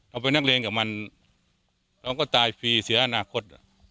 เราเป็นนักเรียนกับมันเราก็ตายฟรีเสียอนาคต